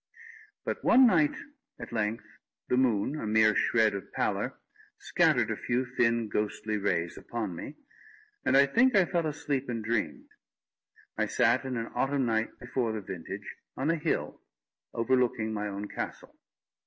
But one night, at length, the moon, a mere shred of pallor, scattered a few thin ghostly rays upon me; and I think I fell asleep and dreamed. I sat in an autumn night before the vintage, on a hill overlooking my own castle.